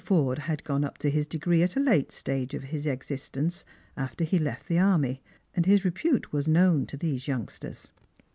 Forde had gone up for his degree at a late stage of his existence, after he left the army, and his repute was known tc these youngsters.